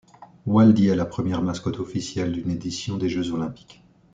Waldi est la première mascotte officielle d'une édition des Jeux olympiques.